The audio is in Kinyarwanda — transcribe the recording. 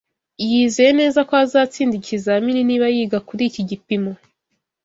Yizeye neza ko azatsinda ikizamini niba yiga kuri iki gipimo